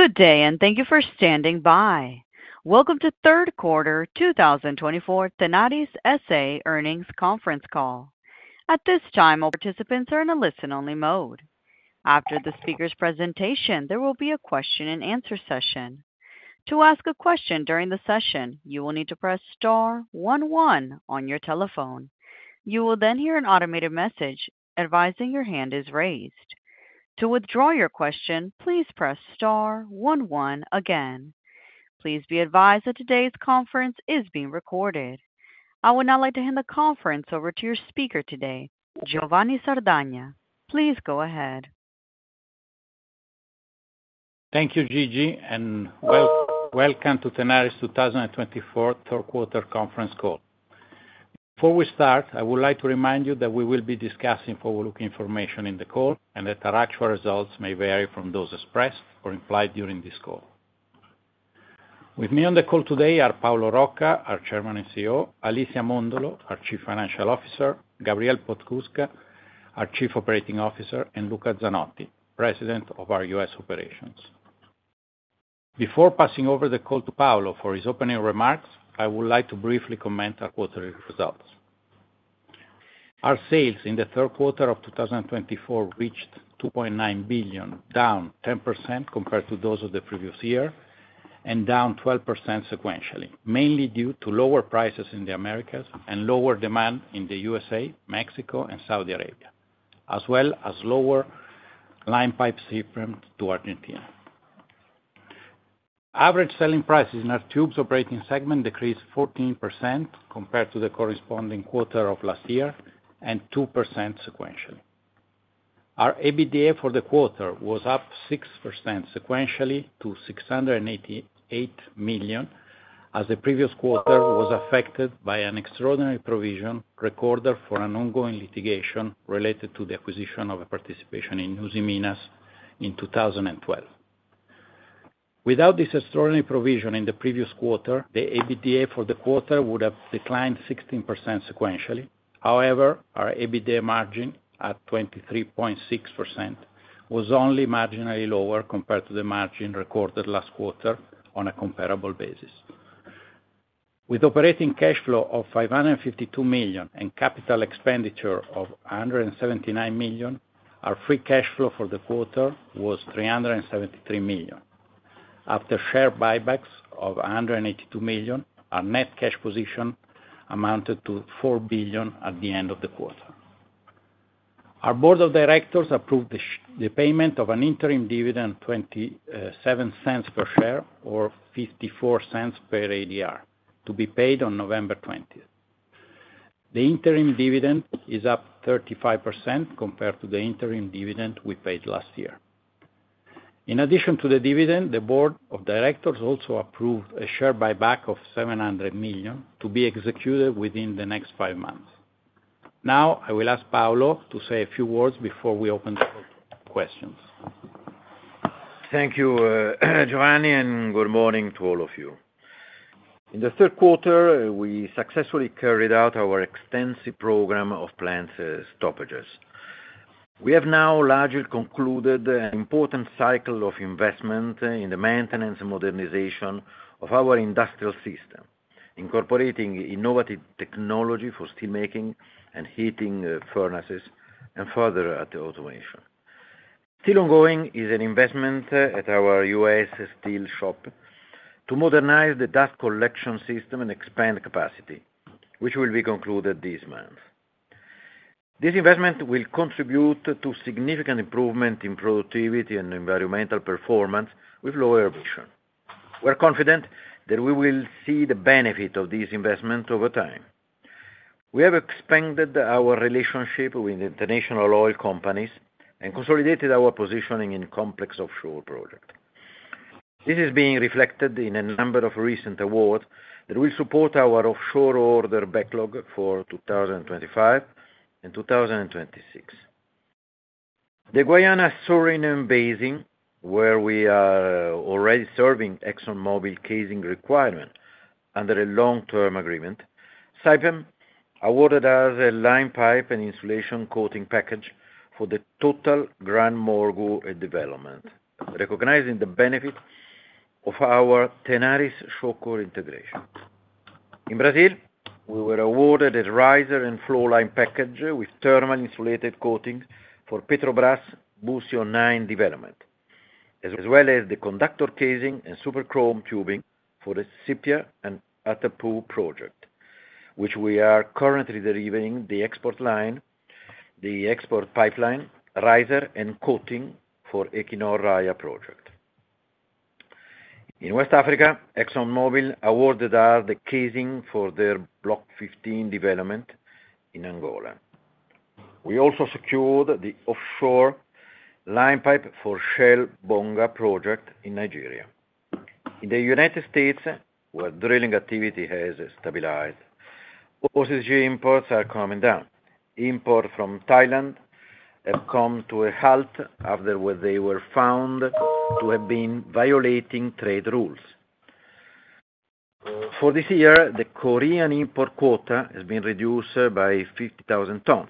Good day, and thank you for standing by. Welcome to Third Quarter 2024 Tenaris S.A. Earnings Conference Call. At this time, all participants are in a listen-only mode. After the speaker's presentation, there will be a question-and-answer session. To ask a question during the session, you will need to press star one one on your telephone. You will then hear an automated message advising your hand is raised. To withdraw your question, please press star one one again. Please be advised that today's conference is being recorded. I would now like to hand the conference over to your speaker today, Giovanni Sardagna. Please go ahead. Thank you, Gigi, and welcome to Tenaris 2024 Third Quarter Conference Call. Before we start, I would like to remind you that we will be discussing forward-looking information in the call and that our actual results may vary from those expressed or implied during this call. With me on the call today are Paolo Rocca, our Chairman and CEO; Alicia Mondolo, our Chief Financial Officer; Gabriel Podskubka, our Chief Operating Officer; and Luca Zanotti, President of our U.S. Operations. Before passing over the call to Paolo for his opening remarks, I would like to briefly comment on quarterly results. Our sales in the third quarter of 2024 reached $2.9 billion, down 10% compared to those of the previous year, and down 12% sequentially, mainly due to lower prices in the Americas and lower demand in the U.S.A, Mexico, and Saudi Arabia, as well as lower line pipes shipment to Argentina. Average selling prices in our tubes operating segment decreased 14% compared to the corresponding quarter of last year and 2% sequentially. Our EBITDA for the quarter was up 6% sequentially to $688 million, as the previous quarter was affected by an extraordinary provision recorded for an ongoing litigation related to the acquisition of a participation in Usiminas, in 2012. Without this extraordinary provision in the previous quarter, the EBITDA for the quarter would have declined 16% sequentially. However, our EBITDA margin at 23.6% was only marginally lower compared to the margin recorded last quarter on a comparable basis. With operating cash flow of $552 million and capital expenditure of $179 million, our free cash flow for the quarter was $373 million. After share buybacks of $182 million, our net cash position amounted to $4 billion at the end of the quarter. Our board of directors approved the payment of an interim dividend of $0.27 per share, or $0.54 per ADR, to be paid on November 20th. The interim dividend is up 35% compared to the interim dividend we paid last year. In addition to the dividend, the board of directors also approved a share buyback of $700 million to be executed within the next five months. Now, I will ask Paolo to say a few words before we open the questions. Thank you, Giovanni, and good morning to all of you. In the third quarter, we successfully carried out our extensive program of planned stoppages. We have now largely concluded an important cycle of investment in the maintenance and modernization of our industrial system, incorporating innovative technology for steelmaking and heating furnaces, and further at the automation. Still ongoing is an investment at our U.S. steel shop to modernize the dust collection system and expand capacity, which will be concluded this month. This investment will contribute to significant improvement in productivity and environmental performance with lower emission. We're confident that we will see the benefit of this investment over time. We have expanded our relationship with international oil companies and consolidated our position in complex offshore projects. This is being reflected in a number of recent awards that will support our offshore order backlog for 2025 and 2026. The Guyana Suriname Basin, where we are already serving ExxonMobil casing requirement under a long-term agreement. Saipem awarded us a line pipe and insulation coating package for the Total GranMorgu development, recognizing the benefit of our Tenaris Shawcor integration. In Brazil, we were awarded a riser and flow line package with thermal insulated coating for Petrobras Búzios development, as well as the conductor casing and super chrome tubing for the Sépia and Atapu project, which we are currently delivering the export line, the export pipeline, riser, and coating for Equinor Raia project. In West Africa, ExxonMobil awarded us the casing for their Block 15 development in Angola. We also secured the offshore line pipe for Shell Bonga project in Nigeria. In the United States, where drilling activity has stabilized, OCTG imports are coming down. Imports from Thailand have come to a halt after they were found to have been violating trade rules. For this year, the Korean import quota has been reduced by 50,000 tons,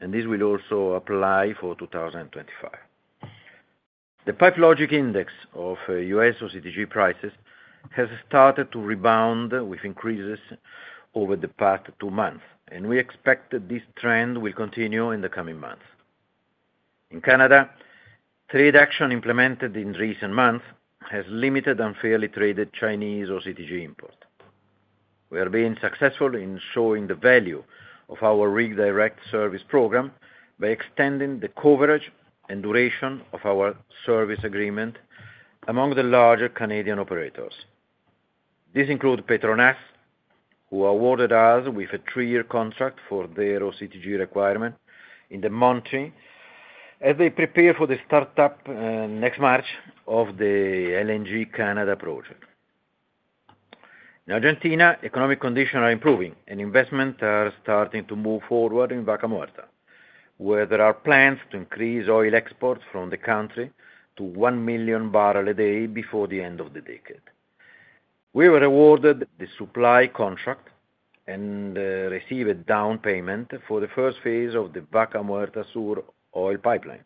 and this will also apply for 2025. The Pipe Logix Index of U.S. OCTG prices has started to rebound with increases over the past two months, and we expect that this trend will continue in the coming months. In Canada, trade action implemented in recent months has limited unfairly traded Chinese OCTG imports. We are being successful in showing the value of our Rig Direct service program by extending the coverage and duration of our service agreement among the larger Canadian operators. This includes Petronas, who awarded us with a three-year contract for their OCTG requirement in the months as they prepare for the startup next March of the LNG Canada project. In Argentina, economic conditions are improving, and investments are starting to move forward in Vaca Muerta, where there are plans to increase oil exports from the country to one million barrels a day before the end of the decade. We were awarded the supply contract and received a down payment for the first phase of the Vaca Muerta Sur oil pipeline,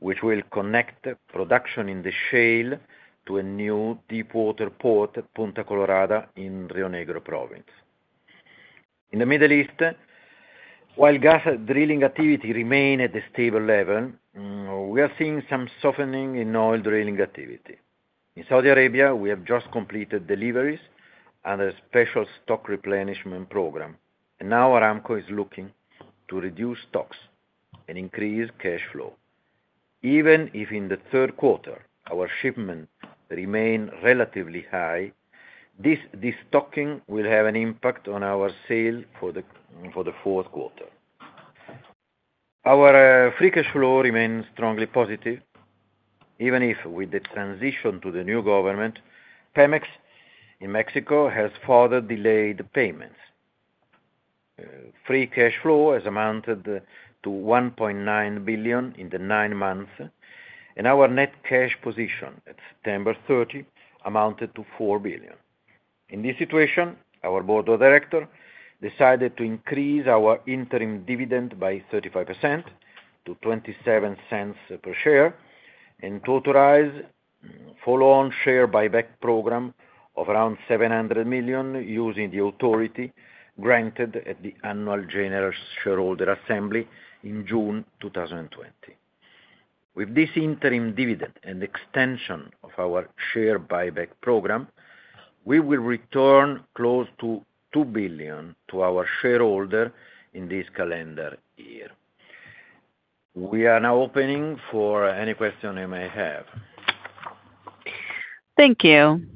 which will connect production in the shale to a new deep water port at Punta Colorada in Rio Negro Province. In the Middle East, while gas drilling activity remained at a stable level, we are seeing some softening in oil drilling activity. In Saudi Arabia, we have just completed deliveries under a special stock replenishment program, and now Aramco is looking to reduce stocks and increase cash flow. Even if in the third quarter our shipment remained relatively high, this destocking will have an impact on our sales for the fourth quarter. Our free cash flow remains strongly positive, even if with the transition to the new government, Pemex in Mexico has further delayed the payments. Free cash flow has amounted to $1.9 billion in the nine months, and our net cash position at September 30 amounted to $4 billion. In this situation, our board of directors decided to increase our interim dividend by 35% to $0.27 per share and to authorize a follow-on share buyback program of around $700 million using the authority granted at the annual General Shareholder Assembly in June 2020. With this interim dividend and extension of our share buyback program, we will return close to $2 billion to our shareholders in this calendar year. We are now opening for any questions you may have. Thank you.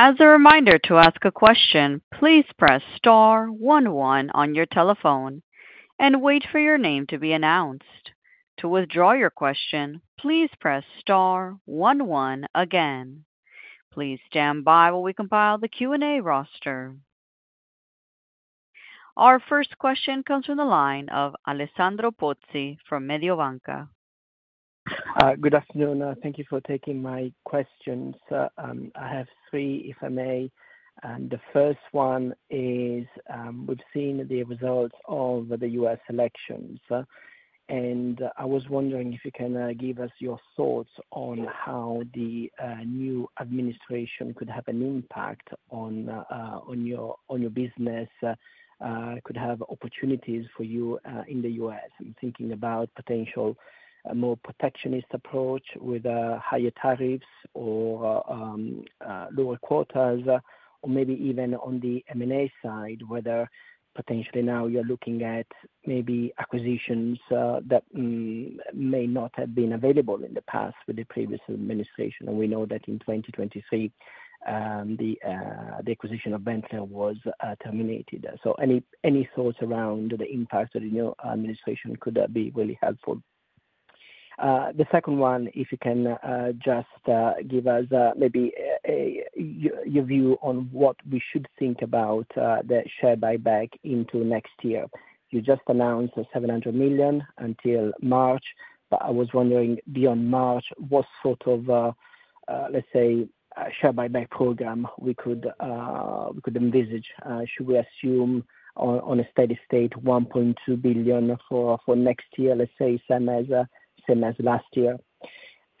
As a reminder to ask a question, please press star one one on your telephone and wait for your name to be announced. To withdraw your question, please press star one one again. Please stand by while we compile the Q&A roster. Our first question comes from the line of Alessandro Pozzi from Mediobanca. Good afternoon. Thank you for taking my questions. I have three, if I may. The first one is we've seen the results of the U.S. elections, and I was wondering if you can give us your thoughts on how the new administration could have an impact on your business, could have opportunities for you in the U.S. I'm thinking about potential more protectionist approach with higher tariffs or lower quotas, or maybe even on the M&A side, whether potentially now you're looking at maybe acquisitions that may not have been available in the past with the previous administration. And we know that in 2023, the acquisition of Benteler was terminated. So any thoughts around the impact of the new administration could be really helpful. The second one, if you can just give us maybe your view on what we should think about the share buyback into next year. You just announced $700 million until March, but I was wondering, beyond March, what sort of, let's say, share buyback program we could envisage. Should we assume on a steady state $1.2 billion for next year, let's say, same as last year?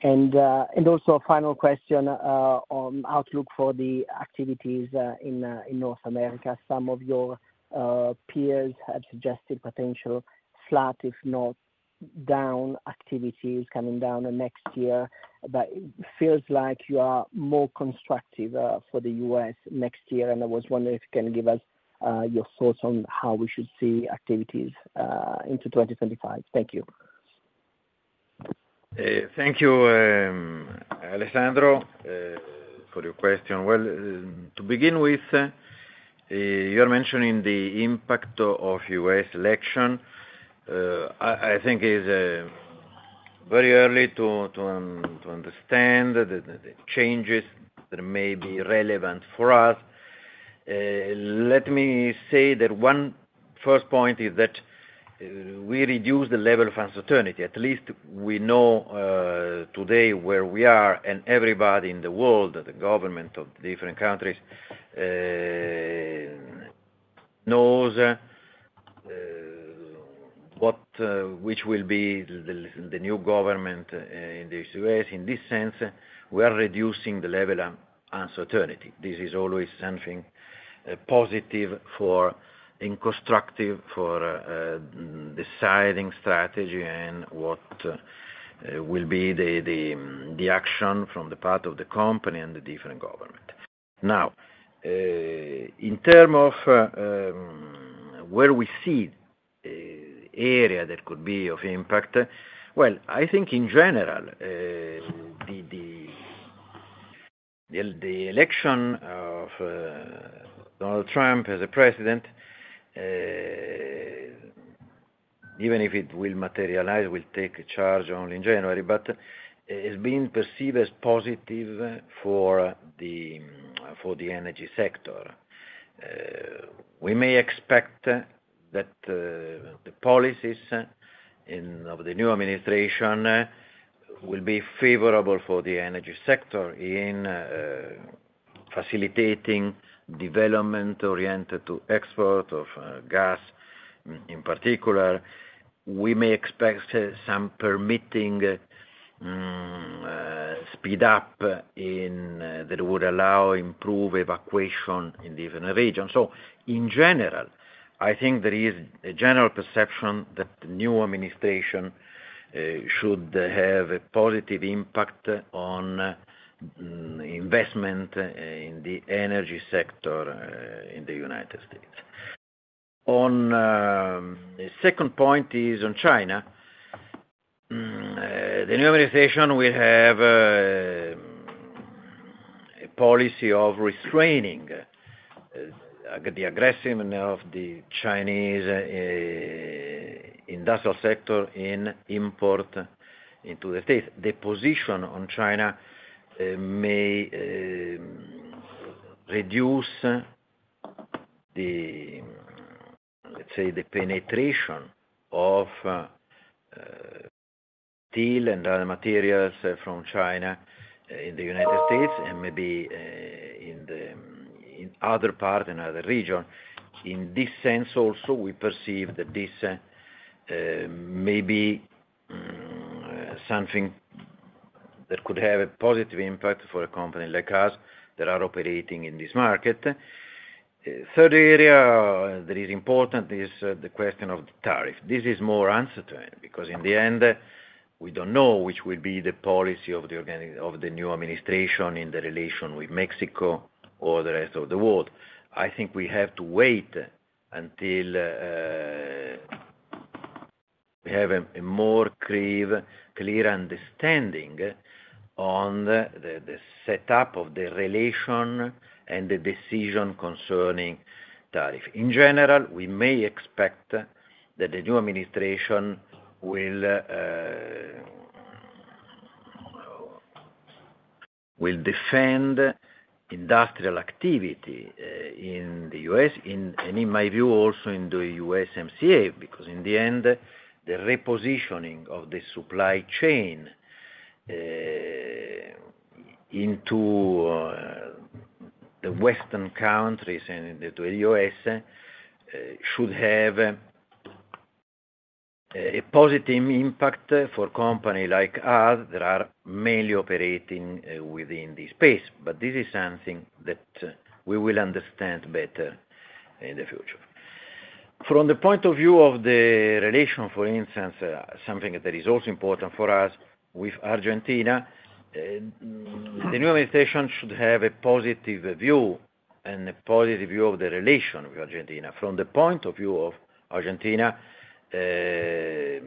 And also a final question on outlook for the activities in North America. Some of your peers have suggested potential flat, if not down, activities coming down next year, but it feels like you are more constructive for the U.S. next year, and I was wondering if you can give us your thoughts on how we should see activities into 2025. Thank you. Thank you, Alessandro, for your question. Well, to begin with, you're mentioning the impact of U.S. election. I think it is very early to understand the changes that may be relevant for us. Let me say that one first point is that we reduce the level of uncertainty. At least we know today where we are, and everybody in the world, the government of different countries, knows which will be the new government in this U.S. In this sense, we are reducing the level of uncertainty. This is always something positive and constructive for deciding strategy and what will be the action from the part of the company and the different government. Now, in terms of where we see the area that could be of impact, well, I think in general, the election of Donald Trump as a President, even if it will materialize, will take charge only in January, but has been perceived as positive for the energy sector. We may expect that the policies of the new administration will be favorable for the energy sector in facilitating development oriented to export of gas in particular. We may expect some permitting speed up that would allow improved evacuation in different regions. So in general, I think there is a general perception that the new administration should have a positive impact on investment in the energy sector in the United States. On the second point is on China. The new administration will have a policy of restraining the aggressiveness of the Chinese industrial sector in import into the States. The position on China may reduce the, let's say, the penetration of steel and other materials from China in the United States and maybe in other parts and other regions. In this sense also, we perceive that this may be something that could have a positive impact for a company like us that are operating in this market. Third area that is important is the question of the tariff. This is more uncertain because in the end, we don't know which will be the policy of the new administration in the relation with Mexico or the rest of the world. I think we have to wait until we have a more clear understanding on the setup of the relation and the decision concerning tariff. In general, we may expect that the new administration will defend industrial activity in the U.S. and, in my view, also in the USMCA because in the end, the repositioning of the supply chain into the Western countries and into the U.S. should have a positive impact for a company like us that are mainly operating within this space. But this is something that we will understand better in the future. From the point of view of the relation, for instance, something that is also important for us with Argentina, the new administration should have a positive view and a positive view of the relation with Argentina. From the point of view of Argentina, the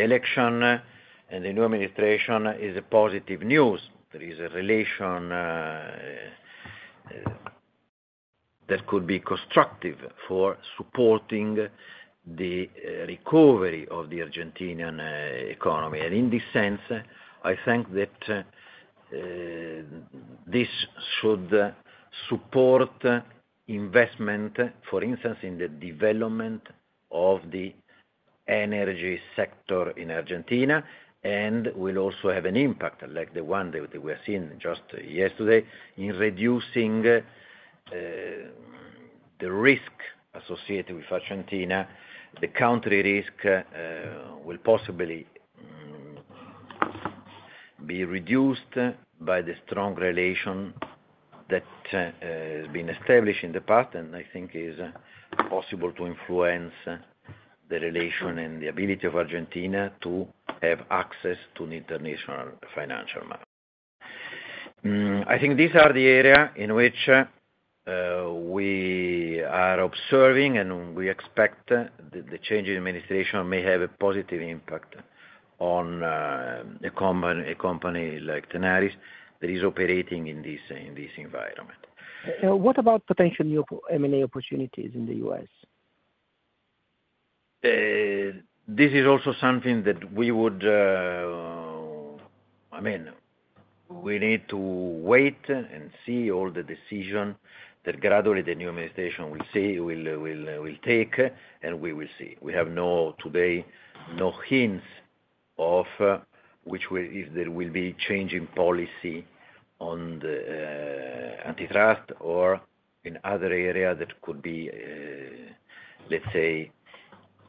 election and the new administration is positive news. There is a relation that could be constructive for supporting the recovery of the Argentinian economy. And in this sense, I think that this should support investment, for instance, in the development of the energy sector in Argentina and will also have an impact like the one that we have seen just yesterday in reducing the risk associated with Argentina. The country risk will possibly be reduced by the strong relation that has been established in the past and I think is possible to influence the relation and the ability of Argentina to have access to the international financial market. I think these are the areas in which we are observing and we expect that the change in administration may have a positive impact on a company like Tenaris that is operating in this environment. What about potential new M&A opportunities in the U.S.? This is also something that we would, I mean, we need to wait and see all the decisions that gradually the new administration will take and we will see. We have today no hints of which if there will be a change in policy on the antitrust or in other areas that could be, let's say,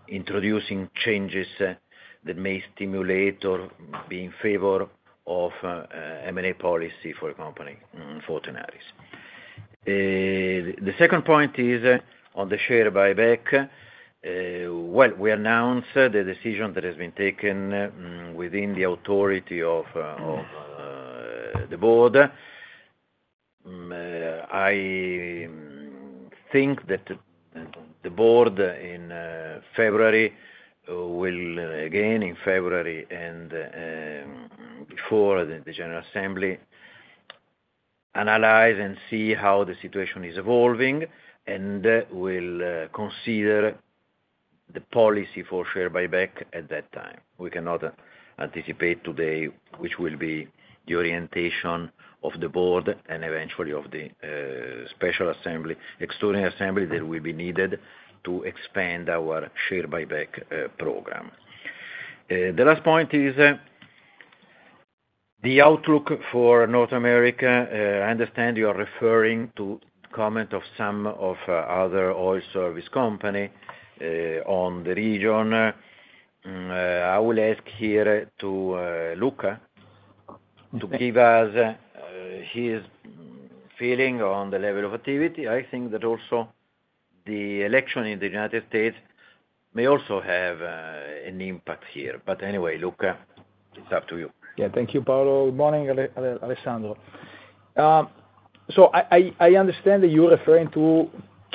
introducing changes that may stimulate or be in favor of M&A policy for a company for Tenaris. The second point is on the share buyback. Well, we announced the decision that has been taken within the authority of the board. I think that the board in February will, again, in February and before the General Assembly, analyze and see how the situation is evolving and will consider the policy for share buyback at that time. We cannot anticipate today which will be the orientation of the board and eventually of the special assembly, extraordinary assembly that will be needed to expand our share buyback program. The last point is the outlook for North America. I understand you are referring to comment of some of other oil service companies on the region. I will ask here to Luca to give us his feeling on the level of activity. I think that also the election in the United States may also have an impact here. But anyway, Luca, it's up to you. Yeah. Thank you, Paolo. Good morning, Alessandro. So I understand that you're referring to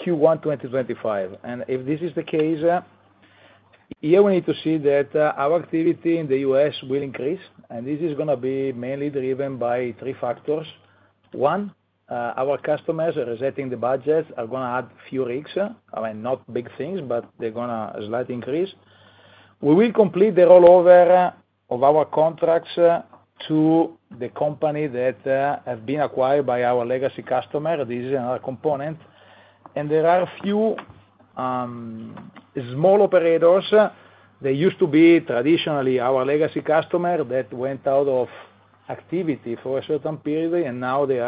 Q1 2025. And if this is the case, yeah, we need to see that our activity in the U.S. will increase, and this is going to be mainly driven by three factors. One, our customers are resetting the budgets, are going to add few rigs, not big things, but they're going to slightly increase. We will complete the rollover of our contracts to the company that have been acquired by our legacy customer. This is another component. And there are a few small operators. They used to be traditionally our legacy customers that went out of activity for a certain period, and now they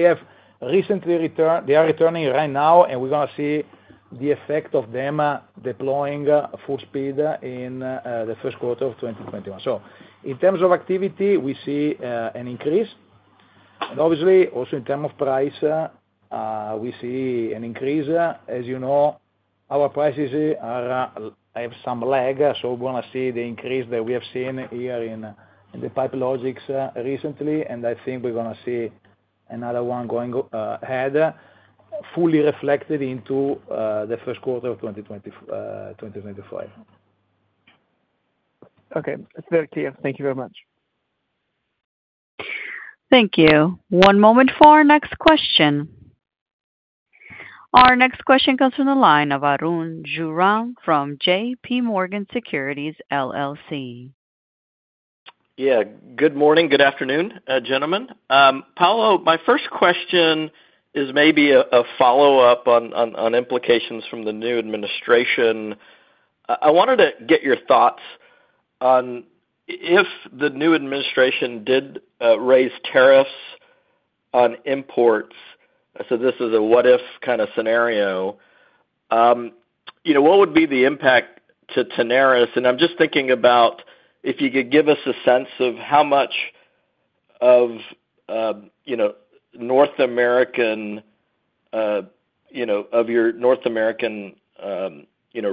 have recently returned. They are returning right now, and we're going to see the effect of them deploying full speed in the first quarter of 2025. So in terms of activity, we see an increase. And obviously, also in terms of price, we see an increase. As you know, our prices have some lag, so we're going to see the increase that we have seen here in the Pipe Logix recently, and I think we're going to see another one going ahead fully reflected into the first quarter of 2025. Okay. That's very clear. Thank you very much. Thank you. One moment for our next question. Our next question comes from the line of Arun Jayaram from JPMorgan Securities LLC. Yeah. Good morning. Good afternoon, gentlemen. Paolo, my first question is maybe a follow-up on implications from the new administration. I wanted to get your thoughts on if the new administration did raise tariffs on imports. So this is a what-if kind of scenario. What would be the impact to Tenaris? And I'm just thinking about if you could give us a sense of how much of your North American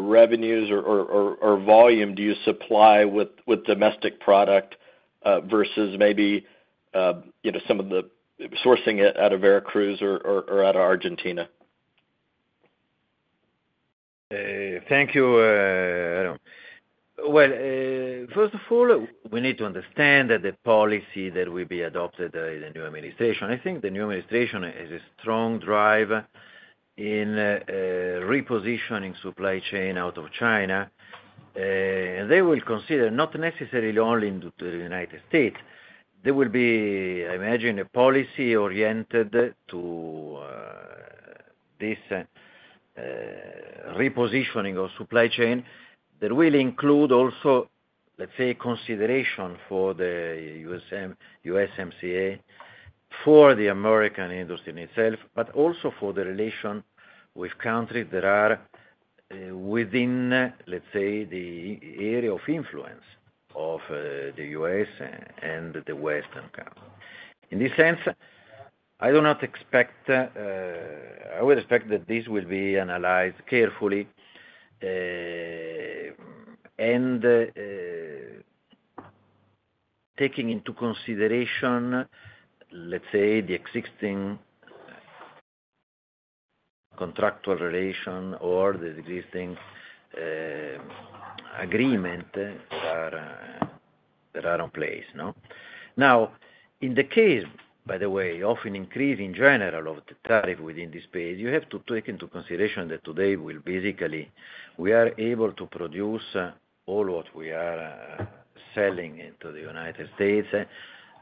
revenues or volume do you supply with domestic product versus maybe some of the sourcing out of Veracruz or out of Argentina? Thank you. First of all, we need to understand that the policy that will be adopted in the new administration. I think the new administration has a strong drive in repositioning supply chain out of China. And they will consider not necessarily only into the United States. There will be, I imagine, a policy oriented to this repositioning of supply chain that will include also, let's say, consideration for the USMCA for the American industry in itself, but also for the relation with countries that are within, let's say, the area of influence of the U.S. and the Western countries. In this sense, I do not expect. I would expect that this will be analyzed carefully and taking into consideration, let's say, the existing contractual relation or the existing agreement that are in place. Now, in the case, by the way, of an increase in general of the tariff within this space, you have to take into consideration that today we are able to produce all what we are selling into the United States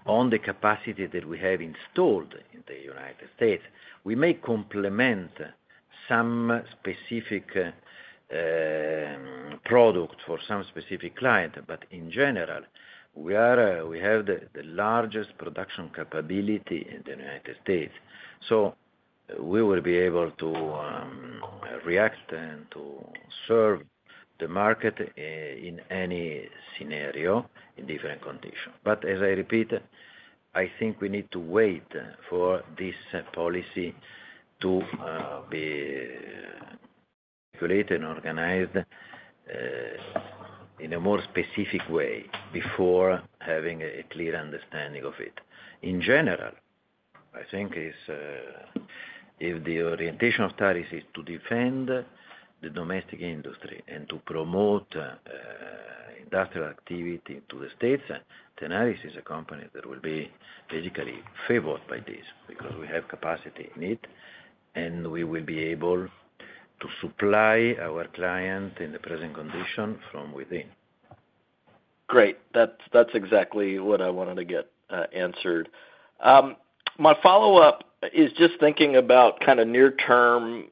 on the capacity that we have installed in the United States. We may complement some specific product for some specific client, but in general, we have the largest production capability in the United States. So we will be able to react and to serve the market in any scenario in different conditions. But as I repeat, I think we need to wait for this policy to be calculated and organized in a more specific way before having a clear understanding of it. In general, I think if the orientation of tariffs is to defend the domestic industry and to promote industrial activity to the States, Tenaris is a company that will be basically favored by this because we have capacity in it and we will be able to supply our client in the present condition from within. Great. That's exactly what I wanted to get answered. My follow-up is just thinking about kind of near-term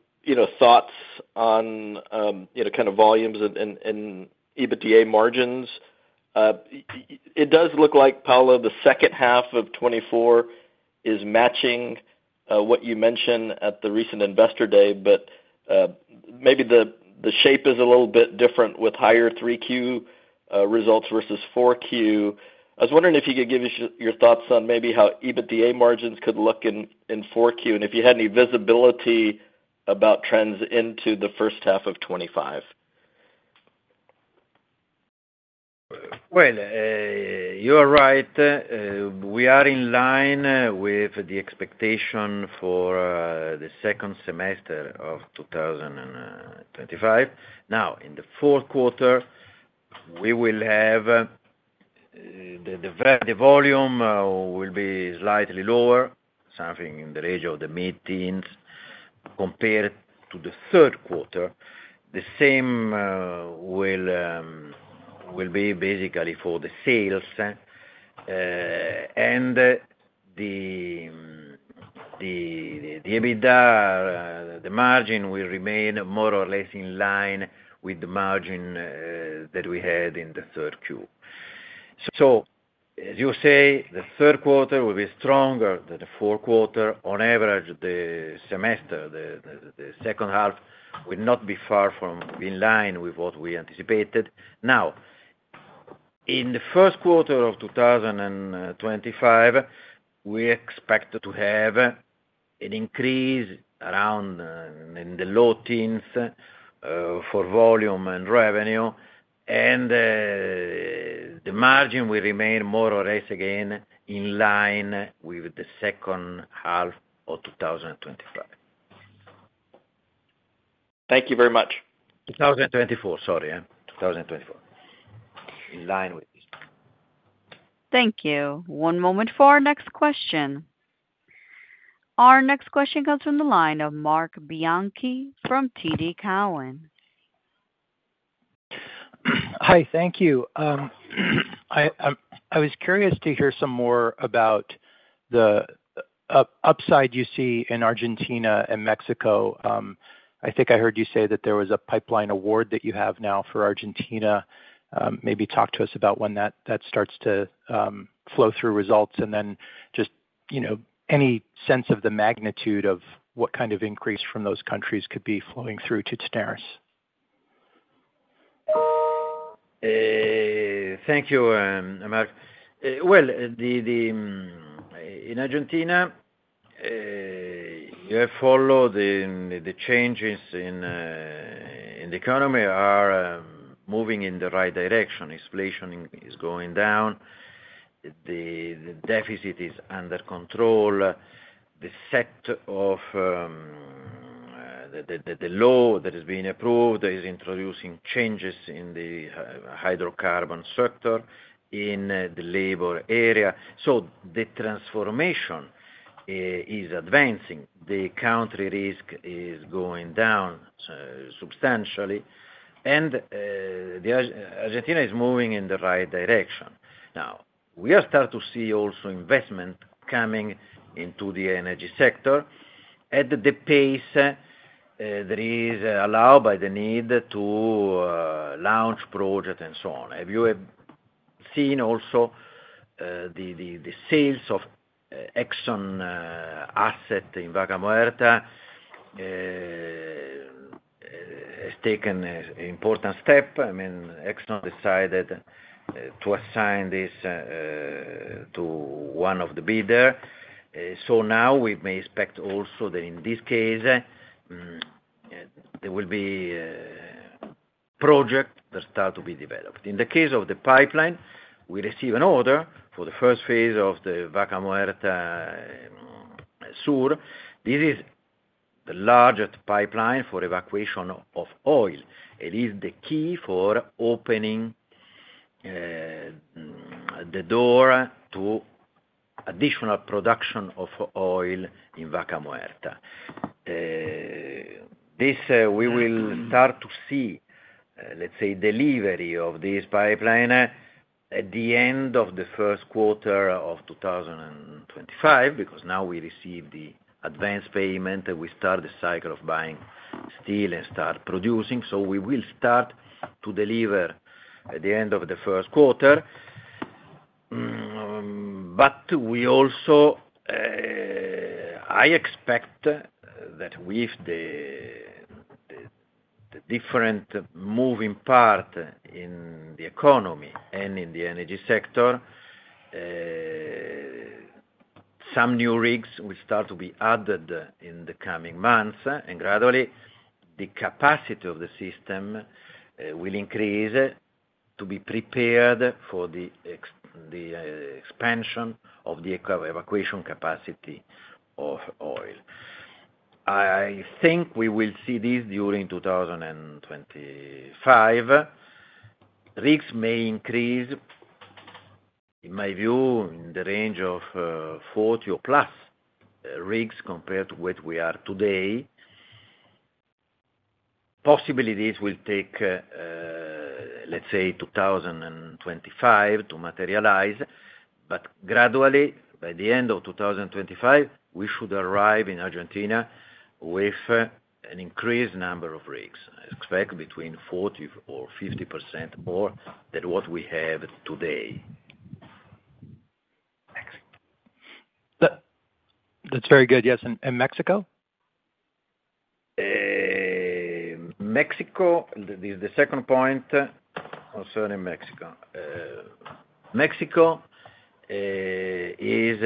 thoughts on kind of volumes and EBITDA margins. It does look like, Paolo, the second half of 2024 is matching what you mentioned at the recent investor day, but maybe the shape is a little bit different with higher 3Q results versus 4Q. I was wondering if you could give us your thoughts on maybe how EBITDA margins could look in 4Q and if you had any visibility about trends into the first half of 2025. You are right. We are in line with the expectation for the second semester of 2025. Now, in the fourth quarter, the volume will be slightly lower, something in the range of the mid-teens compared to the third quarter. The same will be basically for the sales. And the EBITDA margin will remain more or less in line with the margin that we had in the third Q. So as you say, the third quarter will be stronger than the fourth quarter. On average, the semester, the second half will not be far from being in line with what we anticipated. Now, in the first quarter of 2025, we expect to have an increase around in the low teens for volume and revenue, and the margin will remain more or less again in line with the second half of 2025. Thank you very much. 2024, sorry. 2024. In line with this. Thank you. One moment for our next question. Our next question comes from the line of Mark Bianchi from TD Cowen. Hi, thank you. I was curious to hear some more about the upside you see in Argentina and Mexico. I think I heard you say that there was a pipeline award that you have now for Argentina. Maybe talk to us about when that starts to flow through results and then just any sense of the magnitude of what kind of increase from those countries could be flowing through to Tenaris. Thank you, Mark. In Argentina, you have followed the changes in the economy are moving in the right direction. Inflation is going down. The deficit is under control. The set of the law that has been approved is introducing changes in the hydrocarbon sector in the labor area. The transformation is advancing. The country risk is going down substantially, and Argentina is moving in the right direction. Now, we are starting to see also investment coming into the energy sector at the pace that is allowed by the need to launch projects and so on. Have you seen also the sales of Exxon asset in Vaca Muerta has taken an important step? I mean, Exxon decided to assign this to one of the bidders. Now we may expect also that in this case, there will be projects that start to be developed. In the case of the pipeline, we receive an order for the first phase of the Vaca Muerta Sur. This is the largest pipeline for evacuation of oil. It is the key for opening the door to additional production of oil in Vaca Muerta. We will start to see, let's say, delivery of this pipeline at the end of the first quarter of 2025 because now we receive the advance payment and we start the cycle of buying steel and start producing. So we will start to deliver at the end of the first quarter. But we also, I expect that with the different moving parts in the economy and in the energy sector, some new rigs will start to be added in the coming months, and gradually the capacity of the system will increase to be prepared for the expansion of the evacuation capacity of oil. I think we will see this during 2025. Rigs may increase, in my view, in the range of 40 or plus rigs compared to what we are today. Possibilities will take, let's say, 2025 to materialize. But gradually, by the end of 2025, we should arrive in Argentina with an increased number of rigs. I expect between 40 or 50% more than what we have today. Excellent. That's very good. Yes. And Mexico? Mexico, the second point concerning Mexico. Mexico is,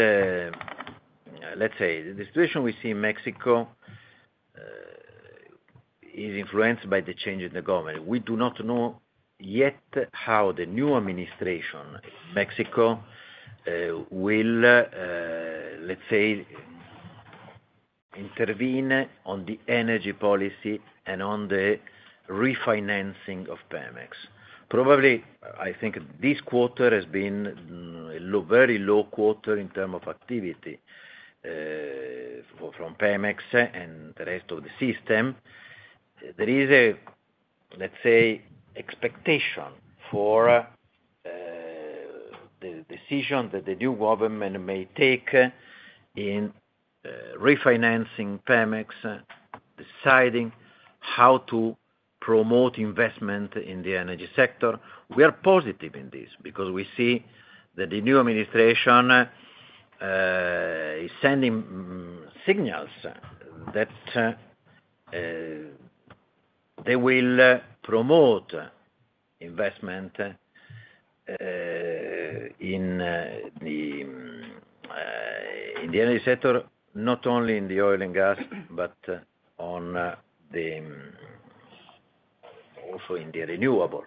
let's say, the situation we see in Mexico is influenced by the change in the government. We do not know yet how the new administration in Mexico will, let's say, intervene on the energy policy and on the refinancing of Pemex. Probably, I think this quarter has been a very low quarter in terms of activity from Pemex and the rest of the system. There is a, let's say, expectation for the decision that the new government may take in refinancing Pemex, deciding how to promote investment in the energy sector. We are positive in this because we see that the new administration is sending signals that they will promote investment in the energy sector, not only in the oil and gas, but also in the renewable.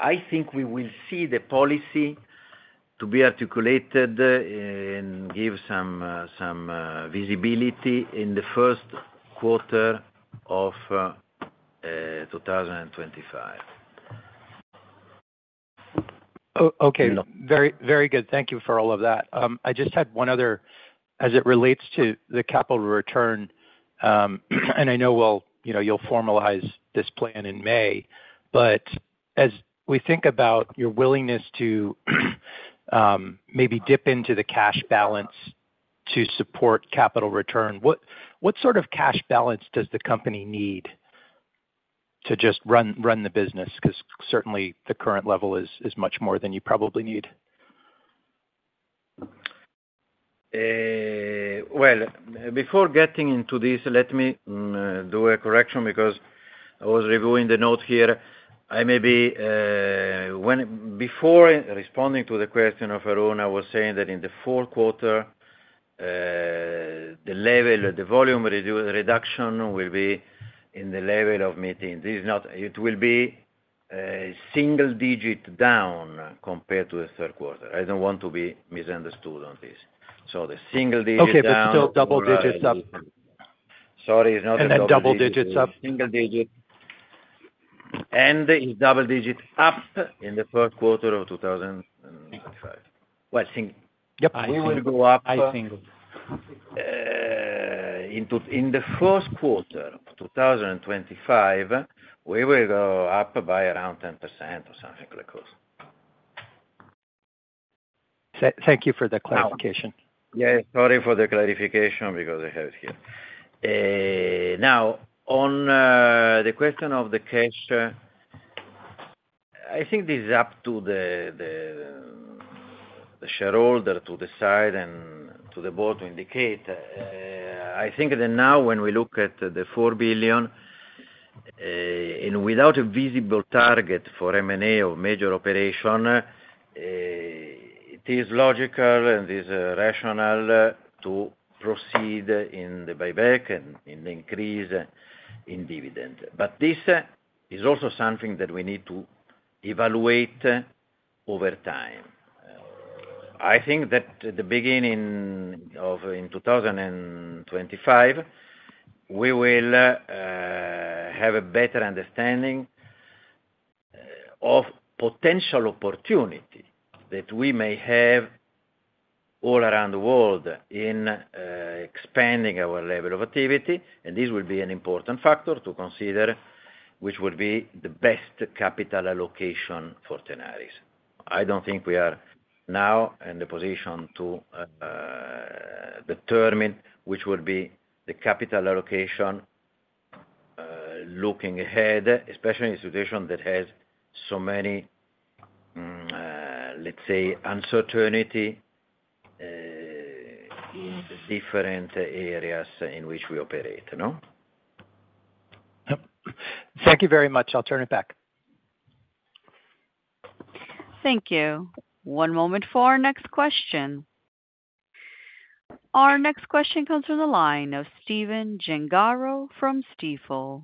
I think we will see the policy to be articulated and give some visibility in the first quarter of 2025. Okay. Very good. Thank you for all of that. I just had one other as it relates to the capital return, and I know you'll formalize this plan in May. But as we think about your willingness to maybe dip into the cash balance to support capital return, what sort of cash balance does the company need to just run the business? Because certainly the current level is much more than you probably need. Before getting into this, let me do a correction because I was reviewing the note here. Before responding to the question of Arun, I was saying that in the fourth quarter, the volume reduction will be in the level of mid-teens. It will be single digit down compared to the third quarter. I don't want to be misunderstood on this. So the single digit up. Okay, but still double digits up. Sorry, it's not a double digit. Double digits up. Single digit, and it's double digit up in the first quarter of 2025. Well, single. Yep. We will go up. I see. In the first quarter of 2025, we will go up by around 10% or something like that. Thank you for the clarification. Yeah. Sorry for the clarification because I have it here. Now, on the question of the cash, I think this is up to the shareholder to decide and to the board to indicate. I think that now when we look at the $4 billion and without a visible target for M&A or major operation, it is logical and it is rational to proceed in the buyback and in the increase in dividend. But this is also something that we need to evaluate over time. I think that at the beginning of 2025, we will have a better understanding of potential opportunity that we may have all around the world in expanding our level of activity. And this will be an important factor to consider, which will be the best capital allocation for Tenaris. I don't think we are now in the position to determine which will be the capital allocation looking ahead, especially in a situation that has so many, let's say, uncertainties in different areas in which we operate. Thank you very much. I'll turn it back. Thank you. One moment for our next question. Our next question comes from the line of Stephen Gengaro from Stifel.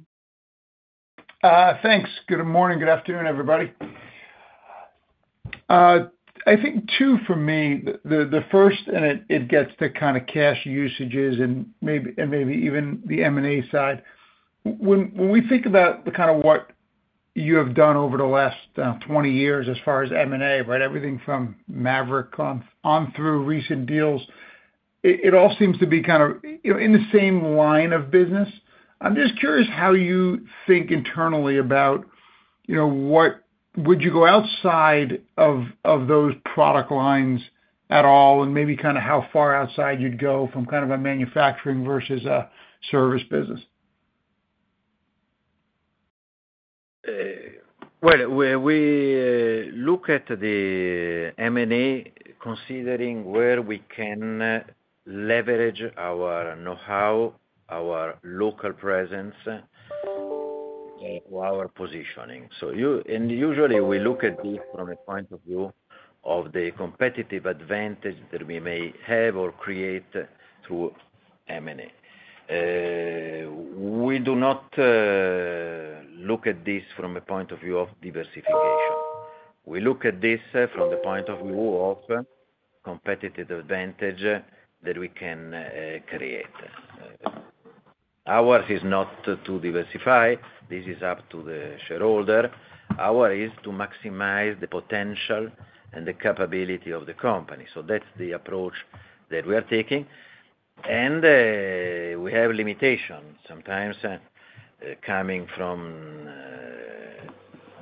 Thanks. Good morning. Good afternoon, everybody. I think two for me. The first, and it gets to kind of cash usages and maybe even the M&A side. When we think about kind of what you have done over the last 20 years as far as M&A, right, everything from Maverick on through recent deals, it all seems to be kind of in the same line of business. I'm just curious how you think internally about would you go outside of those product lines at all and maybe kind of how far outside you'd go from kind of a manufacturing versus a service business? We look at the M&A considering where we can leverage our know-how, our local presence, our positioning. Usually, we look at this from the point of view of the competitive advantage that we may have or create through M&A. We do not look at this from the point of view of diversification. We look at this from the point of view of competitive advantage that we can create. Ours is not to diversify. This is up to the shareholder. Ours is to maximize the potential and the capability of the company. That's the approach that we are taking. We have limitations sometimes coming from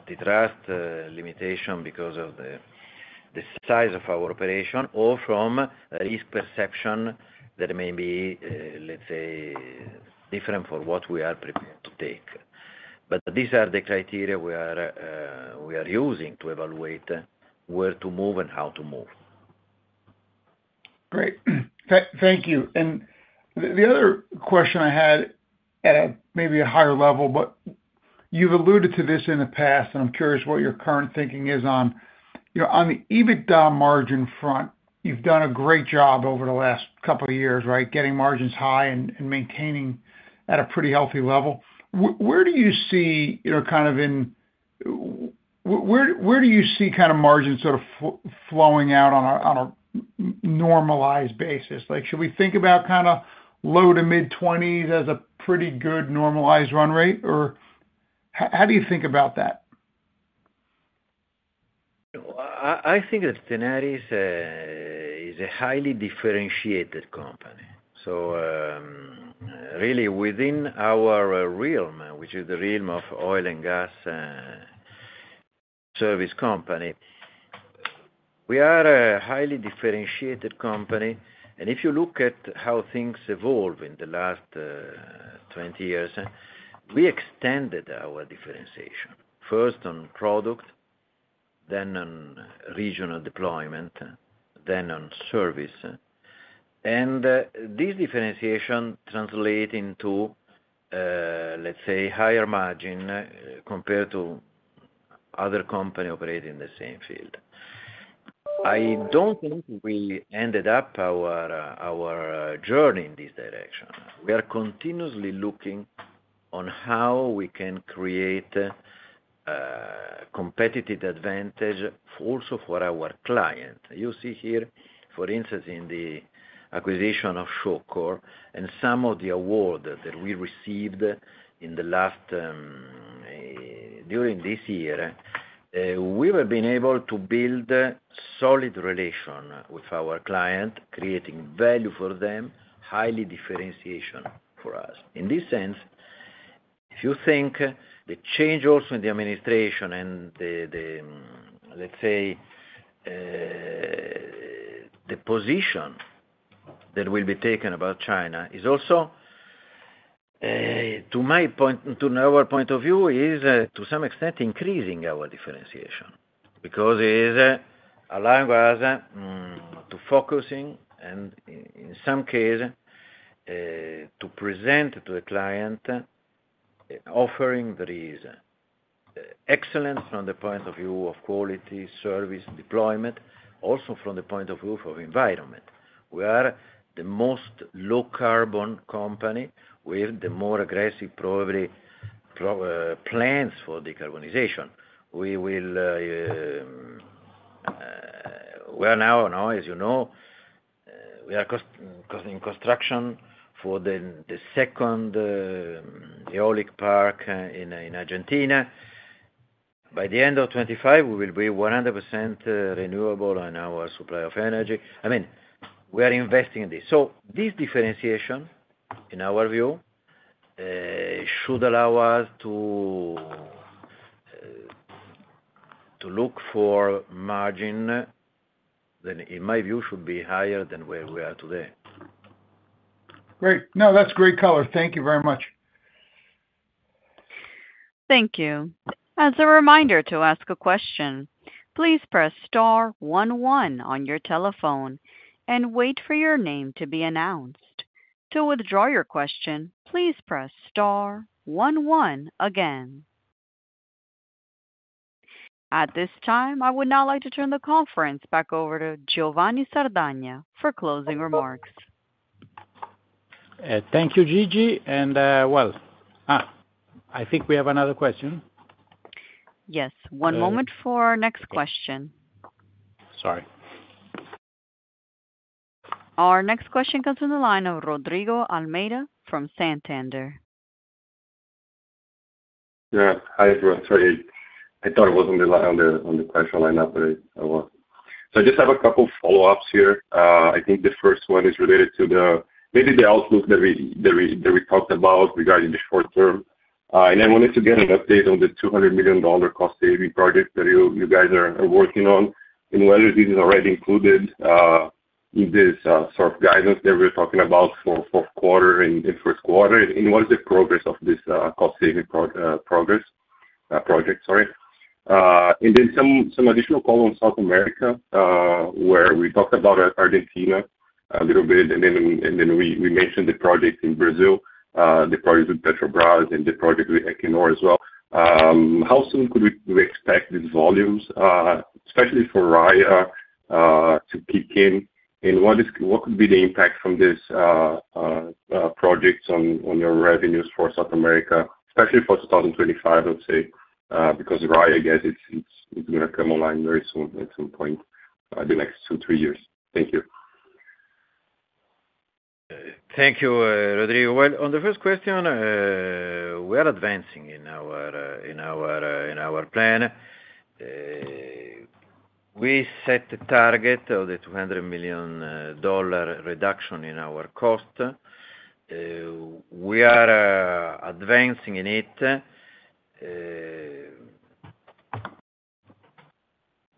the trust limitation because of the size of our operation or from risk perception that may be, let's say, different for what we are prepared to take. But these are the criteria we are using to evaluate where to move and how to move. Great. Thank you. And the other question I had at maybe a higher level, but you've alluded to this in the past, and I'm curious what your current thinking is on the EBITDA margin front. You've done a great job over the last couple of years, right, getting margins high and maintaining at a pretty healthy level. Where do you see kind of margins sort of flowing out on a normalized basis? Should we think about kind of low-to-mid-20s as a pretty good normalized run rate, or how do you think about that? I think that Tenaris is a highly differentiated company. So really, within our realm, which is the realm of oil and gas service company, we are a highly differentiated company. And if you look at how things evolve in the last 20 years, we extended our differentiation, first on product, then on regional deployment, then on service. And this differentiation translates into, let's say, higher margin compared to other companies operating in the same field. I don't think we ended up our journey in this direction. We are continuously looking on how we can create a competitive advantage also for our client. You see here, for instance, in the acquisition of Shawcor and some of the awards that we received during this year, we have been able to build solid relations with our client, creating value for them, highly differentiation for us. In this sense, if you think the change also in the administration and the, let's say, the position that will be taken about China is also, to our point of view, is to some extent increasing our differentiation because it is allowing us to focus and, in some cases, to present to a client an offering that is excellent from the point of view of quality, service, deployment, also from the point of view of environment. We are the most low-carbon company with the more aggressive probably plans for decarbonization. We are now, as you know, we are in construction for the second eolic park in Argentina. By the end of 2025, we will be 100% renewable in our supply of energy. I mean, we are investing in this. So this differentiation, in our view, should allow us to look for margin that, in my view, should be higher than where we are today. Great. No, that's great color. Thank you very much. Thank you. As a reminder to ask a question, please press star one one on your telephone and wait for your name to be announced. To withdraw your question, please press star one one again. At this time, I would now like to turn the conference back over to Giovanni Sardagna for closing remarks. Thank you, Gigi. And, well, I think we have another question. Yes. One moment for our next question. Sorry. Our next question comes from the line of Rodrigo Almeida from Santander. Hi, everyone. Sorry. I thought I was on the question line up, but I wasn't. So I just have a couple of follow-ups here. I think the first one is related to maybe the outlook that we talked about regarding the short term, and I wanted to get an update on the $200 million cost-saving project that you guys are working on and whether this is already included in this sort of guidance that we're talking about for fourth quarter and first quarter and what is the progress of this cost-saving project, sorry. Then some additional call on South America where we talked about Argentina a little bit, and then we mentioned the project in Brazil, the project with Petrobras, and the project with Equinor as well. How soon could we expect these volumes, especially for Raia, to kick in? What could be the impact from these projects on your revenues for South America, especially for 2025, let's say, because Raia, I guess, is going to come online very soon at some point, the next two, three years? Thank you. Thank you, Rodrigo. On the first question, we are advancing in our plan. We set the target of the $200 million reduction in our cost. We are advancing in it.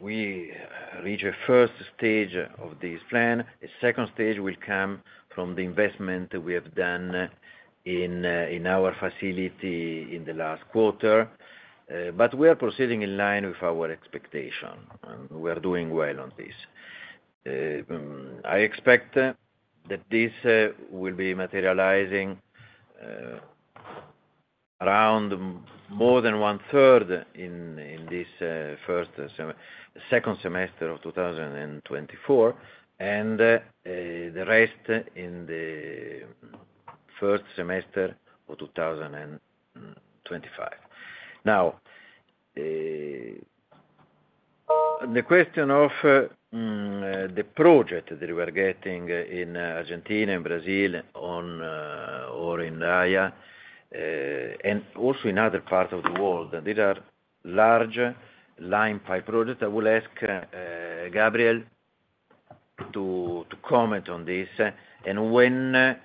We reached the first stage of this plan. The second stage will come from the investment that we have done in our facility in the last quarter. We are proceeding in line with our expectation, and we are doing well on this. I expect that this will be materializing around more than one-third in this second semester of 2024 and the rest in the first semester of 2025. Now, the question of the project that we are getting in Argentina and Brazil or in Raia and also in other parts of the world, these are large line pipe projects. I will ask Gabriel to comment on this and when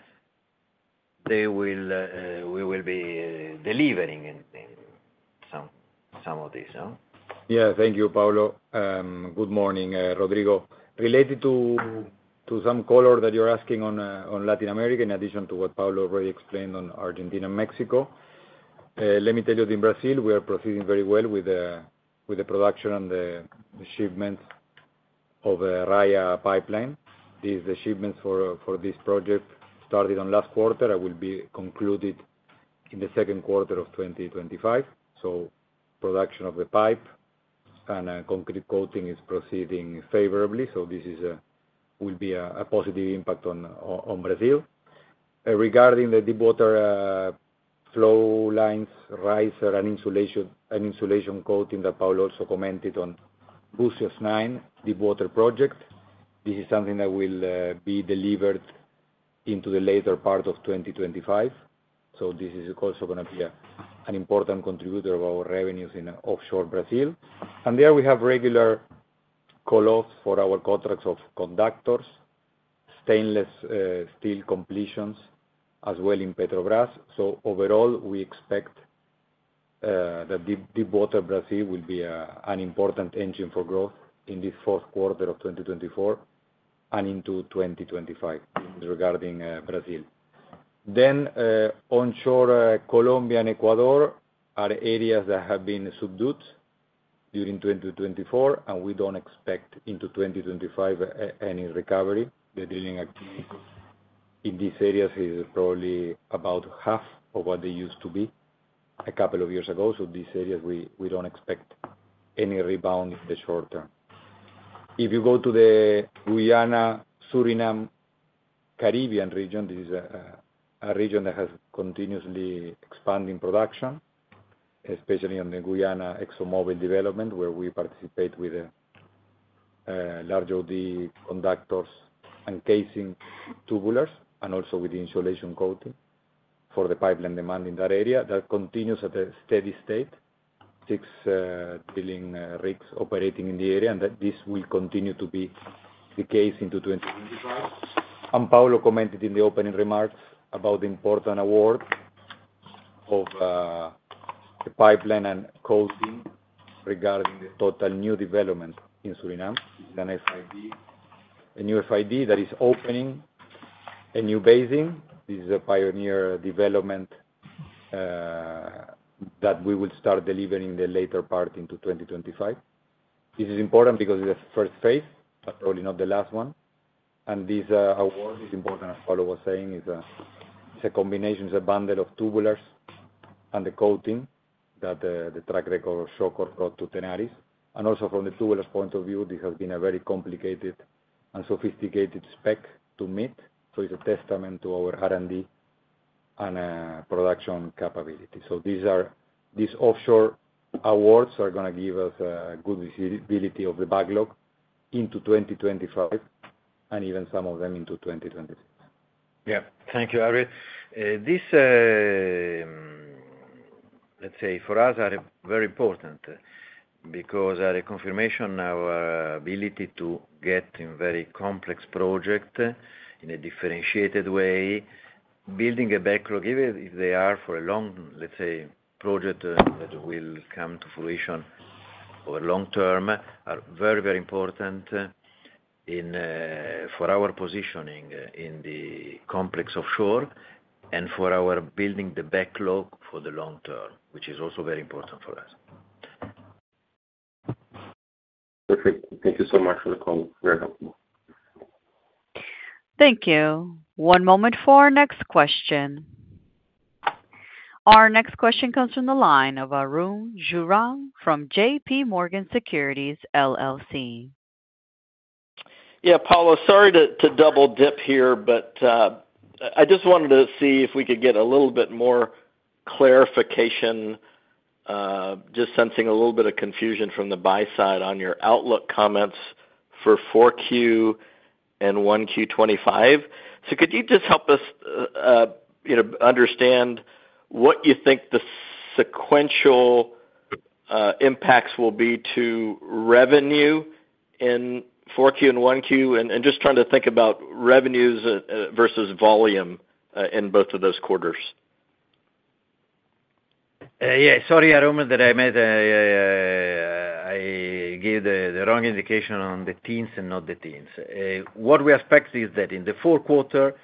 we will be delivering some of this. Yeah. Thank you, Paolo. Good morning, Rodrigo. Related to some color that you're asking on Latin America, in addition to what Paolo already explained on Argentina and Mexico, let me tell you that in Brazil, we are proceeding very well with the production and the shipment of the Raia pipeline. The shipments for this project started on last quarter and will be concluded in the second quarter of 2025. Production of the pipe and concrete coating is proceeding favorably. This will be a positive impact on Brazil. Regarding the deep water flow lines, riser, and insulation coating that Paolo also commented on, Búzios 9 deep water project, this is something that will be delivered into the later part of 2025. This is also going to be an important contributor of our revenues in offshore Brazil. There we have regular call-offs for our contracts of conductors, stainless steel completions as well in Petrobras. So overall, we expect that deep water Brazil will be an important engine for growth in this fourth quarter of 2024 and into 2025 regarding Brazil. Then onshore Colombia and Ecuador are areas that have been subdued during 2024, and we don't expect into 2025 any recovery. The drilling activities in these areas is probably about half of what they used to be a couple of years ago. So these areas, we don't expect any rebound in the short term. If you go to the Guyana Suriname Caribbean region, this is a region that has continuously expanding production, especially on the Guyana ExxonMobil development where we participate with large OD conductors and casing tubulars and also with insulation coating for the pipeline demand in that area that continues at a steady state, six drilling rigs operating in the area, and this will continue to be the case into 2025. Paolo commented in the opening remarks about the important award of the pipeline and coating regarding the Total new development in Suriname. This is a new FID that is opening a new basin. This is a pioneer development that we will start delivering in the later part into 2025. This is important because it's the first phase, but probably not the last one. This award is important, as Paolo was saying. It's a combination, it's a bundle of tubulars and the coating that the track record of Shawcor brought to Tenaris. And also from the tubulars point of view, this has been a very complicated and sophisticated spec to meet. So it's a testament to our R&D and production capability. So these offshore awards are going to give us a good visibility of the backlog into 2025 and even some of them into 2026. Yeah. Thank you, Gabriel. These, let's say, for us, are very important because they are a confirmation of our ability to get in very complex projects in a differentiated way, building a backlog, even if they are for a long, let's say, project that will come to fruition over long term, are very, very important for our positioning in the complex offshore and for our building the backlog for the long term, which is also very important for us. Perfect. Thank you so much for the call. Very helpful. Thank you. One moment for our next question. Our next question comes from the line of Arun Jayaram from JPMorgan Securities LLC. Yeah, Paolo, sorry to double-dip here, but I just wanted to see if we could get a little bit more clarification, just sensing a little bit of confusion from the buy-side on your outlook comments for 4Q and 1Q25. So could you just help us understand what you think the sequential impacts will be to revenue in 4Q and 1Q, and just trying to think about revenues versus volume in both of those quarters? Yeah. Sorry, Arun, that I gave the wrong indication on the teens and not the teens. What we expect is that in the fourth quarter,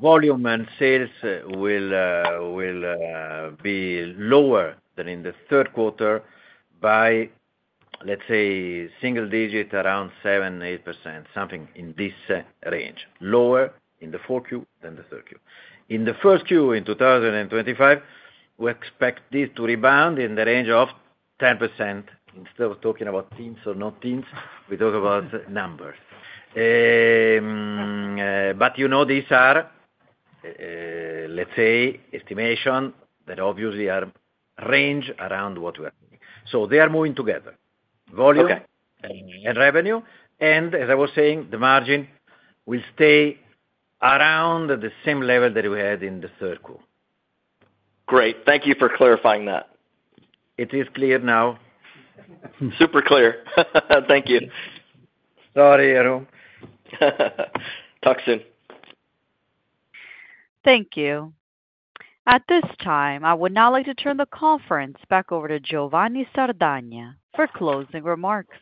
volume and sales will be lower than in the third quarter by, let's say, single digit, around 7-8%, something in this range, lower in the 4Q than the 3Q. In the first Q in 2025, we expect this to rebound in the range of 10%. Instead of talking about teens or not teens, we talk about numbers. But these are, let's say, estimations that obviously are ranged around what we are seeing. So they are moving together, volume and revenue. And as I was saying, the margin will stay around the same level that we had in the third Q. Great. Thank you for clarifying that. It is clear now. Super clear. Thank you. Sorry, Arun. Talk soon. Thank you. At this time, I would now like to turn the conference back over to Giovanni Sardagna for closing remarks.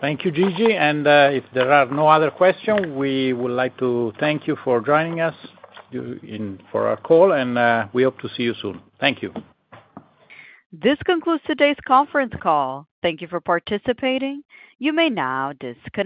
Thank you, Gigi. And if there are no other questions, we would like to thank you for joining us for our call, and we hope to see you soon. Thank you. This concludes today's conference call. Thank you for participating. You may now disconnect.